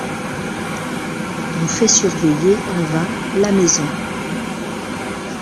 On fait surveiller en vain la maison.